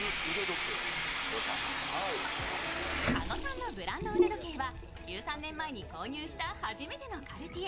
加護さんのブランド腕時計は１３年前に購入した初めてのカルティエ。